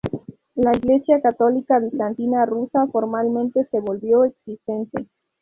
La Iglesia católica bizantina rusa formalmente se volvió existente.